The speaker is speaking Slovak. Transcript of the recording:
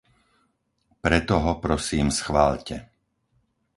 Preto ho, prosím, schváľte!